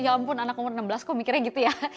ya ampun anak umur enam belas kok mikirnya gitu ya